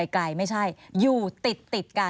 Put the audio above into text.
ไม่ใช่อยู่ติดกัน